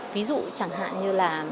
ví dụ chẳng hạn như là